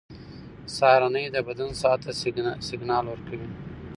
سهارنۍ د بدن ساعت ته سیګنال ورکوي.